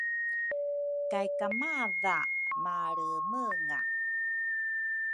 kay kamadha malemenga.